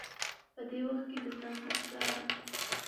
په دې وخت کې د صمد پلار